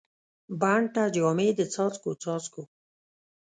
بڼ ته جامې د څاڅکو، څاڅکو